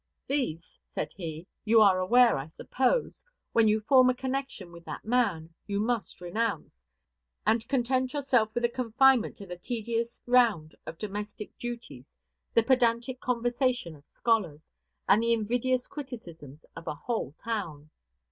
"These," said he, "you are aware, I suppose, when you form a connection with that man, you must renounce, and content yourself with a confinement to the tedious round of domestic duties, the pedantic conversation of scholars, and the invidious criticisms of a whole town."